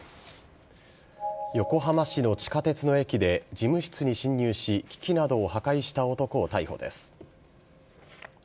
横浜市の地下鉄の駅で事務室に侵入し機器などを破壊した男を逮捕です。